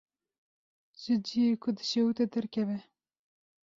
Ji ciyê ku dişewite derkeve.